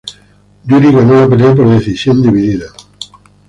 Jury ganó la pelea por decisión dividida.